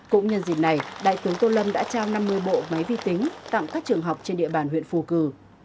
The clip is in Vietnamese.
cũng nhân dịp này đại tướng tô lâm đã trao năm mươi bộ máy vi tính tặng các trường học trên địa bàn huyện phù cử